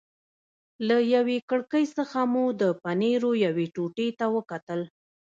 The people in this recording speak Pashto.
له یوې کړکۍ څخه مو د پنیرو یوې ټوټې ته وکتل.